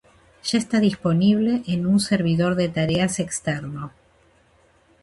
Ya está disponible en un servidor de tareas externo